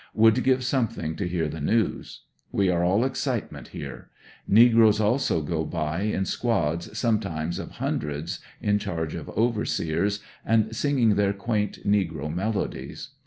Would give something to hear the news. We are all excitement here. Negroes also go by in squads sometimes of hundreds in charge of overseers, and singing their quaint negro melodies.